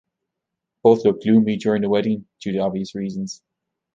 Both look gloomy during the wedding due to obvious reasons.